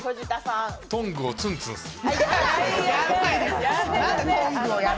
トングをツンツンする。